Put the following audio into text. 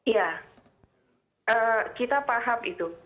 ya kita paham itu